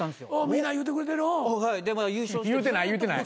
みんな言うてくれてるうん。